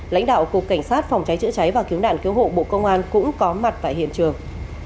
lãnh đạo cục cảnh sát phòng cháy chữa cháy và cứu nạn cứu hộ bộ công an cũng có mặt tại hiện trường